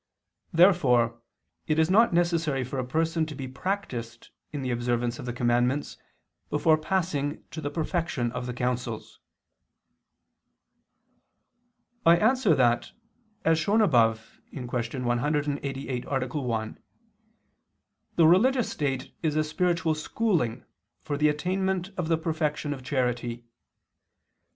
Therefore it is not necessary for a person to be practiced in the observance of the commandments before passing to the perfection of the counsels. I answer that, As shown above (Q. 188, A. 1), the religious state is a spiritual schooling for the attainment of the perfection of charity.